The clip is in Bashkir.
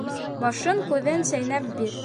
Башын-күҙен сәйнәп бир.